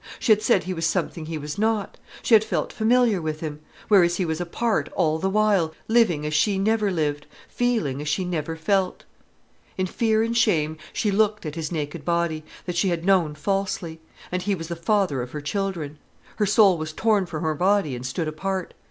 She had said he was something he was not; she had felt familiar with him. Whereas he was apart all the while, living as she never lived, feeling as she never felt. In fear and shame she looked at his naked body, that she had known falsely. And he was the father of her children. Her soul was torn from her body and stood apart.